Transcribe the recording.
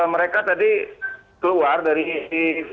mereka tadi keluar dari kedatangan itu